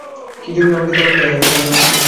কি জন্যে আমাকে তলব করা হয়েছে বলুন।